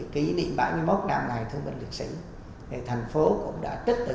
kỷ niệm bảy mươi một năm ngày thương vật liệt sĩ thành phố cũng đã chấp nhận